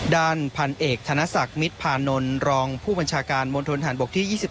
ด้านพันเอกธนศักดิ์มิตรพานนท์รองผู้บัญชาการมณฑนฐานบกที่๒๑